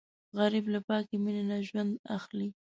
غریب له پاکې مینې نه ژوند اخلي